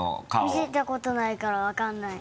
見せたことないから分からない。